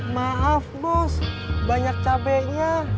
maaf bos banyak cabainya